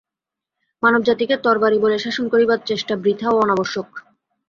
মানবজাতিকে তরবারি-বলে শাসন করিবার চেষ্টা বৃথা ও অনাবশ্যক।